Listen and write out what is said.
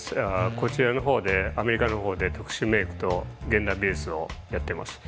こちらのほうでアメリカのほうで特殊メイクと現代美術をやってます。